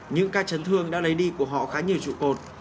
những ca chấn thương đã lấy đi của họ khá nhiều trụ cột